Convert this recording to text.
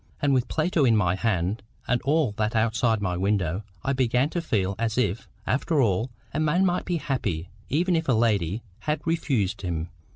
And with Plato in my hand, and all that outside my window, I began to feel as if, after all, a man might be happy, even if a lady had refused him.